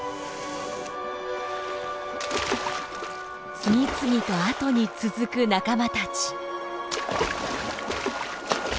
次々と後に続く仲間たち。